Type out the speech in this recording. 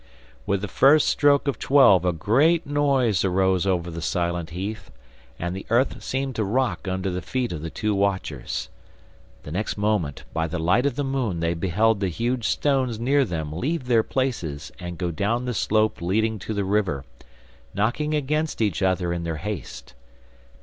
With the first stroke of twelve a great noise arose over the silent heath, and the earth seemed to rock under the feet of the two watchers. The next moment by the light of the moon they beheld the huge stones near them leave their places and go down the slope leading to the river, knocking against each other in their haste.